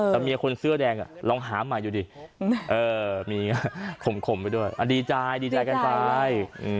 การเมียคนเสื้อแดงลองหาใหม่มีคมด้วยดีใจกันใช่